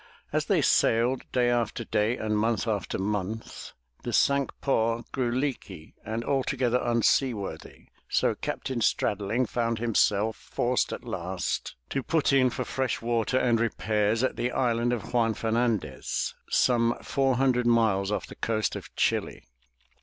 As they sailed day after day and month after month, the Cinque Ports grew leaky and altogether unseaworthy, so Captain Straddling found himself forced at last to put in for fresh water and repairs at the island of Juan Fernandez, some four hundred miles off the coast of Chili.